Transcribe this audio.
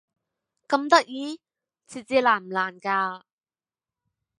咁得意？設置難唔難㗎？